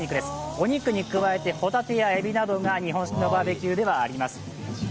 お肉に加えてホタテやエビなどが日本式のバーベキューではあります。